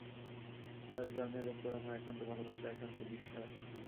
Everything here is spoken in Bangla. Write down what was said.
তাঁর জনের উপর আমার একান্ত ভালবাসা, একান্ত বিশ্বাস।